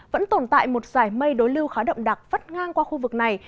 vẫn tồn tại một dải mây đối lưu khá động đặc vắt ngang qua khu vực này